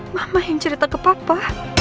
mama yang cerita ke papa